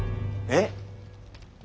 えっ？